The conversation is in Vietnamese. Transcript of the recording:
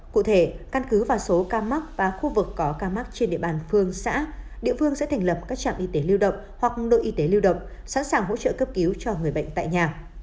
cụ thể căn cứ vào số ca mắc và khu vực có ca mắc trên địa bàn phương xã địa phương sẽ thành lập các trạm y tế lưu động hoặc nội y tế lưu động sẵn sàng hỗ trợ cấp cứu cho người bệnh tại nhà